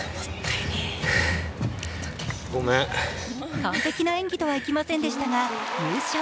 完璧な演技とはいきませんでしたが優勝。